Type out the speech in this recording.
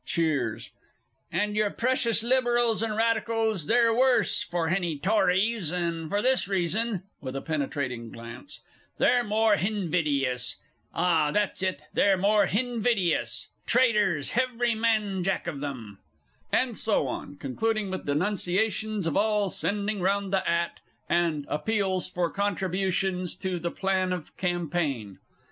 (Cheers). And your precious Liberals and Radicals, they're worse nor hany Tories, and for this reason (with a penetrating glance) they're more hinvidious! Ah, that's it, they're more hinvidious! Traitors, hevery man jack of 'em! [_And so on, concluding with denunciations of all "sending round the 'at," and appeals for contributions to the Plan of Campaign.